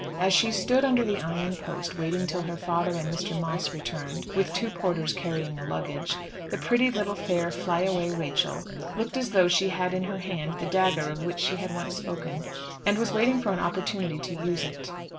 As she stood under the iron post waiting till her father and Mr. Moss returned, with two porters carrying the luggage, the pretty little fair, fly away Rachel looked as though she had in her hand the dagger of which she had once spoken, and was waiting for an opportunity to use it.